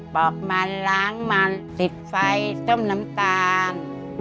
อกมันล้างมันติดไฟต้มน้ำตาล